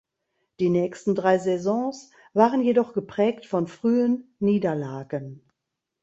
Die nächsten drei Saisons waren jedoch geprägt von frühen Niederlagen.